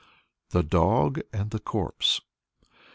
THE DOG AND THE CORPSE.